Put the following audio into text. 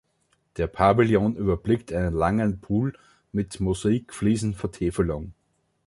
Der Pavillon überblickt einen langen Pool mit Mosaikfliesen-Vertäfelung.